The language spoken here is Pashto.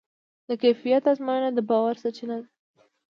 د کیفیت ازموینه د باور سرچینه ده.